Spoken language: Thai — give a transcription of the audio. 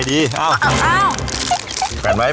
ขอบคุณครับ